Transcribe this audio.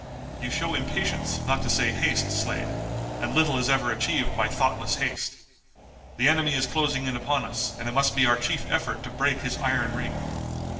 "You show impatience, not to say haste, Slade, and little is ever achieved by thoughtless haste. The enemy is closing in upon us, and it must be our chief effort to break his iron ring.